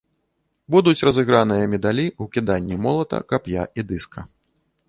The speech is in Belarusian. Будуць разыграныя медалі ў кіданні молата, кап'я і дыска.